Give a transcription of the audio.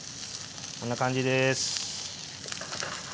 こんな感じです。